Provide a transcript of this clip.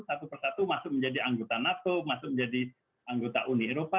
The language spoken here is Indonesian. satu persatu masuk menjadi anggota nato masuk menjadi anggota uni eropa